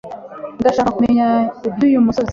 Ndashaka kumenya iby'uyu musozi.